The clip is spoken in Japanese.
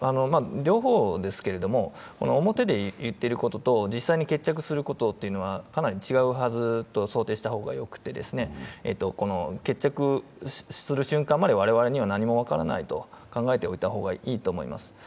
両方ですけれども、表で言ってることと実際に決着することというのはかなり違うはずと想定した方がよくて、決着する瞬間まで我々には何も分からないと考えておいた方がいいと思います。